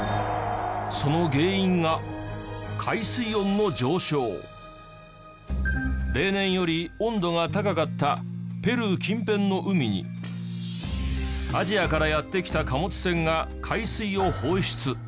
その原因が例年より温度が高かったペルー近辺の海にアジアからやって来た貨物船が海水を放出。